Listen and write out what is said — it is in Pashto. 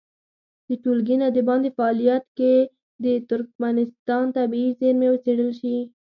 د ټولګي نه د باندې فعالیت کې دې د ترکمنستان طبیعي زېرمې وڅېړل شي.